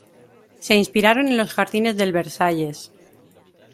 Se inspiraron en los jardines del Versalles.